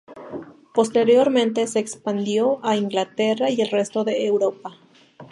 Posteriormente se expandió a Inglaterra y el resto de Europa.